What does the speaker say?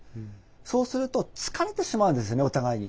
そうすると疲れてしまうんですねお互いに。